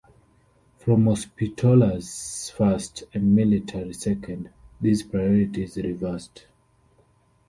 From hospitallers first and military second, these priorities reversed.